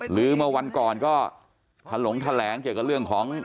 หรือเมื่อวันก่อนก็ทะลงทะแหลงเยอะกับเรื่องของ